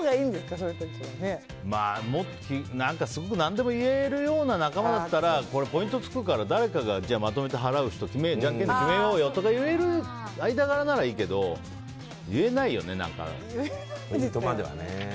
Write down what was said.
そういう何でも言えるような仲間だったらポイントがつくから誰かまとめて払う人をじゃんけんで決めようよとか言える間柄ならいいけど。言えないよね。